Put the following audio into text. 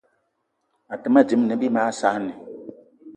Àtə́ mâ dímâ ne bí mag saanì